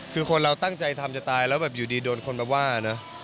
คือคนเราตั้งใจทำจะตายแล้วแบบอยู่ดีโดนคนมาว่านะ